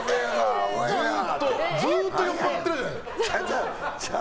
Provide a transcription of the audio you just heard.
ずっと酔っぱらってるじゃん。